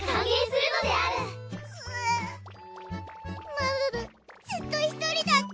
マブブずっと１人だった。